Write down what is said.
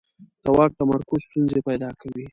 د واک تمرکز ستونزې پیدا کوي